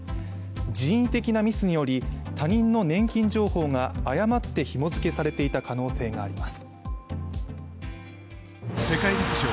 人為的なミスにより他人の年金情報が誤ってひも付けされていた可能性があります。